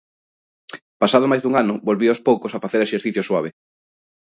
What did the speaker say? Pasado máis dun ano volvía aos poucos a facer exercicio suave.